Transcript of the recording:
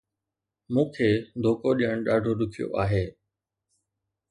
مون کي دوکو ڏيڻ ڏاڍو ڏکيو آهي